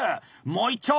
もう一丁！